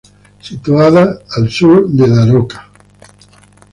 Situada al sur de Daroca.